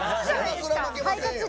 それは負けませんよ！